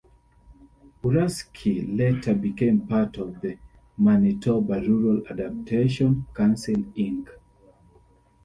Uruski later became part of the "Manitoba Rural Adaptation Council Inc.".